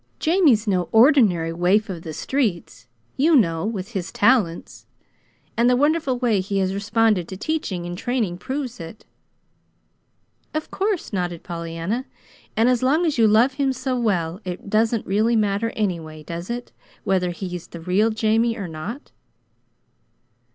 Jamie's no ordinary waif of the streets, you know, with his talents; and the wonderful way he has responded to teaching and training proves it." "Of course," nodded Pollyanna. "And as long as you love him so well, it doesn't really matter, anyway, does it, whether he's the real Jamie or not?"